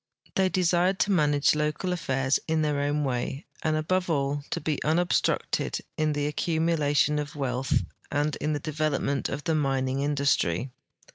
The}^ desired to manage local affairs in their own way, and above all to be unobstructed in the accumulation of wealth and in the develoi)ment of the mining industrv.